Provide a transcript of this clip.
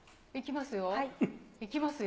いきますよ。